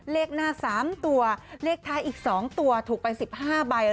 เลขหน้า๓ตัวเลขท้ายอีก๒ตัวถูกไป๑๕ใบ